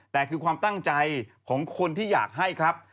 แต่คือความตั้งใจของคนที่อยากให้ครับ